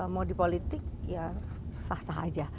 mau di politik ya sah sah aja